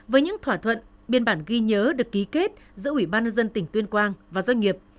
với những thỏa thuận biên bản ghi nhớ được ký kết giữa ủy ban nhân dân tỉnh tuyên quang và doanh nghiệp